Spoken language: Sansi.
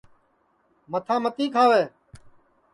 متھا متی کھاوے